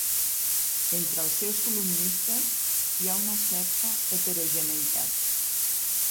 Entre els seus columnistes hi ha una certa heterogeneïtat.